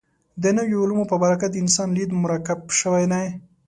د نویو علومو په برکت د انسان لید مرکب شوی دی.